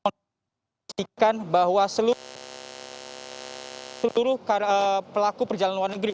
mereka bisa memastikan bahwa seluruh pelaku perjalanan luar negeri